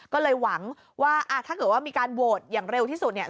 ก็เลยหวังว่าถ้าเกิดว่ามีการโหวตอย่างเร็วที่สุดเนี่ย